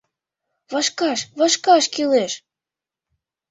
Вашкаш, вашкаш кӱлеш!